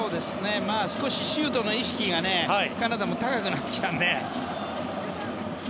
少しシュートの意識がカナダも高くなってきたので。